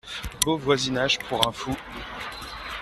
Beau voisinage pour un fou !